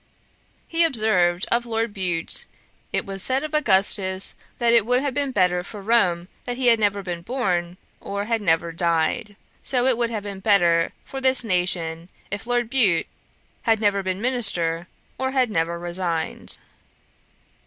He observed of Lord Bute, 'It was said of Augustus, that it would have been better for Rome that he had never been born, or had never died. So it would have been better for this nation if Lord Bute had never been minister, or had never resigned.'